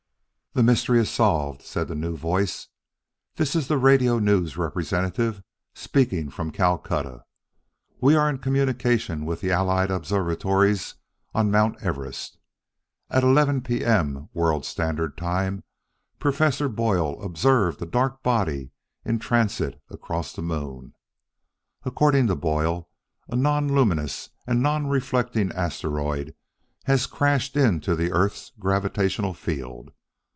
"The mystery is solved," said the new voice. "This is the Radio News representative speaking from Calcutta. We are in communication with the Allied Observatories on Mount Everest. At eleven P. M., World Standard Time, Professor Boyle observed a dark body in transit across the moon. According to Boyle, a non luminous and non reflecting asteroid has crashed into the earth's gravitational field.